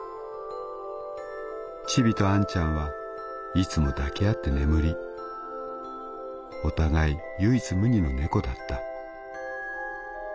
「チビとあんちゃんはいつも抱き合って眠りお互い唯一無二の猫だった」。